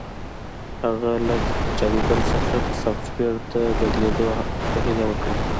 هغه له جادوګر څخه د سافټویر د بدلولو هیله وکړه